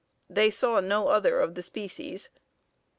They saw no other of the species.